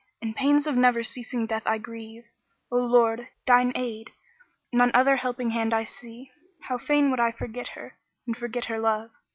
In pains of never ceasing death I ever grieve: * O Lord, deign aid; none other helping hand I see. How fain would I forget her and forget her love!